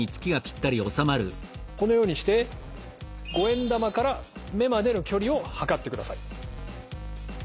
このようにして５円玉から目までの距離を測ってください。